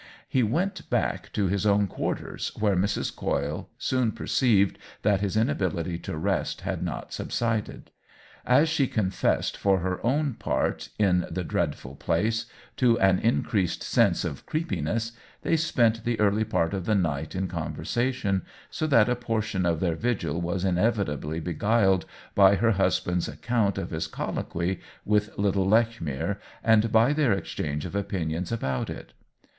He went back to his own quarters, where Mrs. Coyle soon per ceived that his inability to rest had not subsided. As she confessed for her own part, in the dreadful place, to an increased sense of " creepiness," they spent the early part of the night in conversation, so that a portion of their vigil was inevitably beguiled by her husband's account of his colloquy with little Lechmere, and by their exchange of opinions upon it.